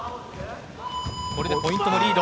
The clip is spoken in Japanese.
これでポイントがリード。